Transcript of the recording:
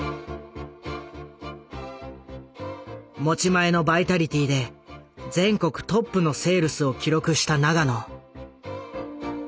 持ち前のバイタリティーで全国トップのセールスを記録した永野。